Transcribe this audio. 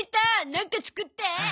なんか作って。